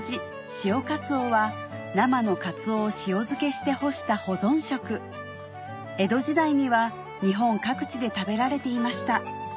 潮かつおは生のカツオを塩漬けして干した保存食江戸時代には日本各地で食べられていました